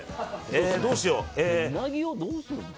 どうしよう？